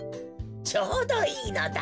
ちょうどいいのだ。